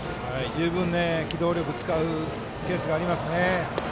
十分、機動力を使うケースがありますね。